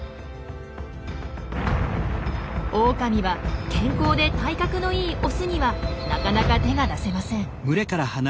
オオカミは健康で体格のいいオスにはなかなか手が出せません。